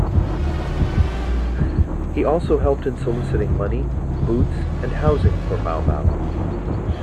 He also helped in soliciting money, boots and housing for Mau Mau.